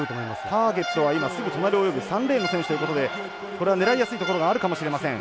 ターゲットは今すぐ隣を泳ぐ３レーンの選手ということでこれは狙いやすいところがあるかもしれません。